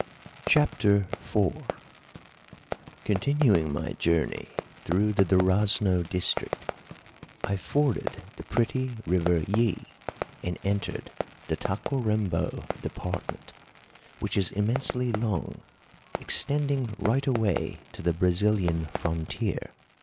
CHAPTER IV Continuing my journey through the Durazno district, I forded the pretty River Yí and entered the Tacuarembó department, which is immensely long, extending right away to the Brazilian frontier.